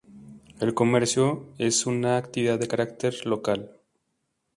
El comercio es una actividad de carácter local.